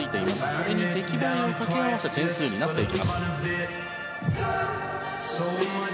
それに出来栄えを掛け合わせて点数になっていきます。